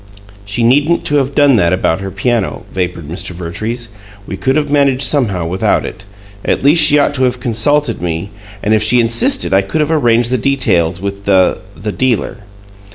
"She needn't to have done that about her piano," vapored Mr. Vertrees. "We could have managed somehow without it. At least she ought to have consulted me, and if she insisted I could have arranged the details with the the dealer."